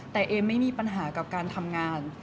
แต่เอมไม่มีปัญหากับการทำงาน